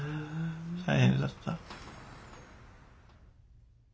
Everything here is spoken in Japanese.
大変だった。